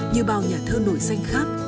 như bao nhà thơ nổi danh khác